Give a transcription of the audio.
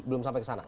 belum sampai kesana